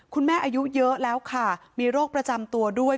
อายุเยอะแล้วค่ะมีโรคประจำตัวด้วย